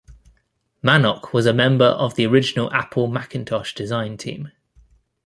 Manock was a member of the original Apple Macintosh design team.